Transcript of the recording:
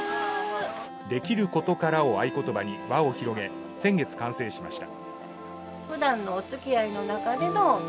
「できることから」を合言葉に輪を広げ先月完成しました。